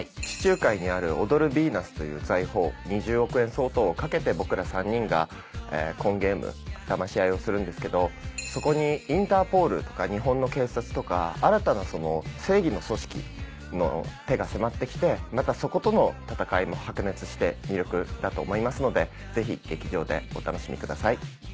地中海にある「踊るビーナス」という財宝２０億円相当をかけて僕ら３人がコンゲームだまし合いをするんですけどそこにインターポールとか日本の警察とか新たな正義の組織の手が迫ってきてまたそことの戦いも白熱して魅力だと思いますのでぜひ劇場でお楽しみください。